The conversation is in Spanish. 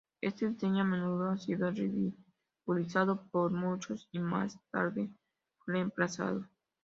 Este diseño a menudo ha sido ridiculizado por muchos, y más tarde fue reemplazado.